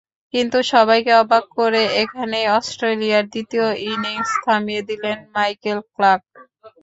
কিন্তু সবাইকে অবাক করে এখানেই অস্ট্রেলিয়ার দ্বিতীয় ইনিংস থামিয়ে দিলেন মাইকেল ক্লার্ক।